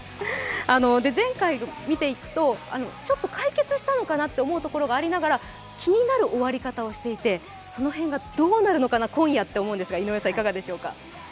前回、見ていくと、ちょっと解決したのかなと思う所がありながら気になる終わり方をしていてその辺がどうなるのかな今夜と思うんですが、いかがでしょうか？